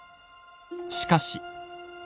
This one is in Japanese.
しかし。